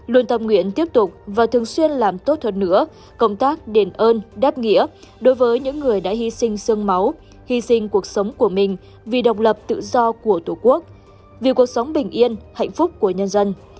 luôn tâm nguyện tiếp tục và thường xuyên làm tốt hơn nữa công tác đền ơn đáp nghĩa đối với những người đã hy sinh sương máu hy sinh cuộc sống của mình vì độc lập tự do của tổ quốc vì cuộc sống bình yên hạnh phúc của nhân dân